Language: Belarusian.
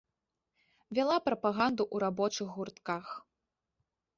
Вяла прапаганду ў рабочых гуртках.